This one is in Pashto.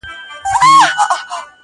سلطانانو یې منلی منزلت وو -